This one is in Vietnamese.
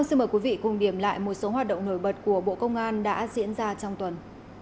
xin mời quý vị cùng điểm lại một số hoạt động nổi bật của bộ công an đã diễn ra trong tuần